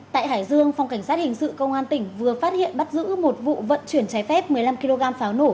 tại hải dương phòng cảnh sát hình sự công an tỉnh vừa phát hiện bắt giữ một vụ vận chuyển trái phép một mươi năm kg pháo nổ